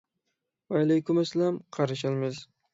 ۋەئەلەيكۇم ئەسسالام، قارشى ئالىمىز.